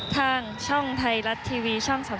ทางช่องไทยรัฐทีวีช่อง๓๒